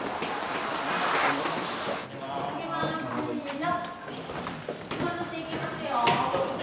せの。